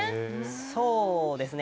そうですね。